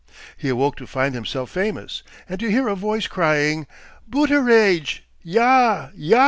He awoke to find himself famous, and to hear a voice crying, "Booteraidge! Ja! Ja!